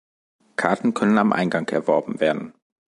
Karten können am Eingang erworben werden.